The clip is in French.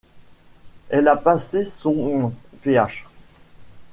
Elle a passé son Ph.